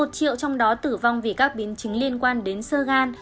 một triệu trong đó tử vong vì các biến chứng liên quan đến sơ gan